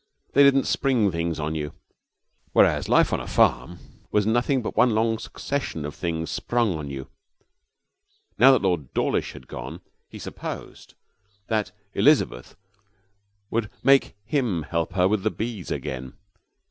They didn't spring things on you. Whereas life on a farm was nothing but one long succession of things sprung on you. Now that Lord Dawlish had gone, he supposed that Elizabeth would make him help her with the bees again.